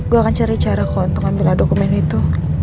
gue akan cari caraku untuk ambil dokumen itu